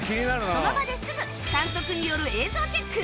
その場ですぐ監督による映像チェック